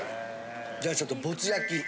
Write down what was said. じゃあちょっとぼつ焼。